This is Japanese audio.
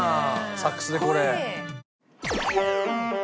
サックスでこれ。